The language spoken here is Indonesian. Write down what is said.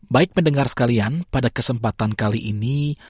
baik pendengar sekalian pada kesempatan kali ini